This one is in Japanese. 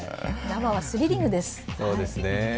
生はスリリングです。